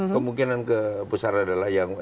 kemungkinan kebesar adalah yang